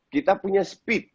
kita punya speed